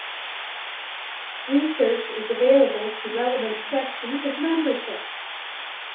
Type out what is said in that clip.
Research is available to the relevant sections of its membership.